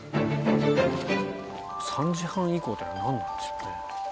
３時半以降っていうのはなんなんでしょうね？